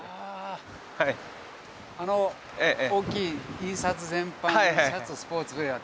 あの大きい「印刷全般・シャツ・スポーツウェア」。